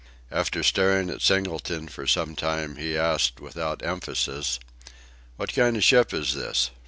After staring at Singleton for some time he asked without emphasis: "What kind of ship is this?